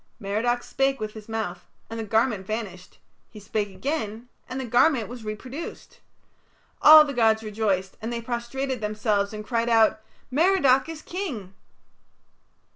Merodach spake with his mouth and the garment vanished; he spake again and the garment was reproduced. All the gods rejoiced, and they prostrated themselves and cried out, "Merodach is King!"